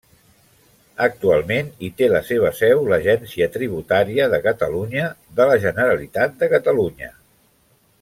Actualment hi té la seva seu l'Agència Tributària de Catalunya de la Generalitat de Catalunya.